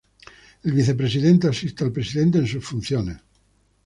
El vicepresidente asiste al presidente en sus funciones.